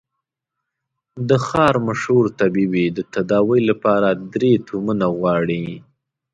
د ښار مشهور طبيب يې د تداوي له پاره درې تومنه غواړي.